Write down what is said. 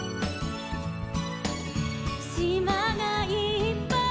「しまがいっぱい」